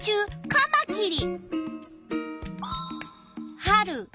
カマキリ。